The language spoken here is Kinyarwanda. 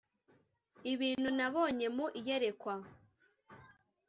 ibintu nabonye mu iyerekwa